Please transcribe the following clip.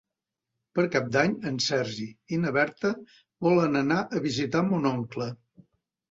Per Cap d'Any en Sergi i na Berta volen anar a visitar mon oncle.